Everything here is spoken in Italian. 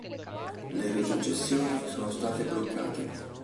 Le retrocessioni sono state bloccate.